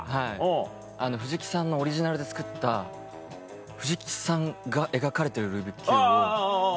藤木さんのオリジナルで作った藤木さんが描かれてるルービックキューブを頂いて。